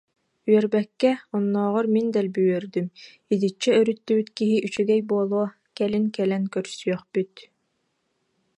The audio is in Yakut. Үөрбэккэ, оннооҕор мин дэлби үөрдүм, итиччэ өрүттүбүт киһи үчүгэй буолуо, кэлин кэлэн көрсүөхпүт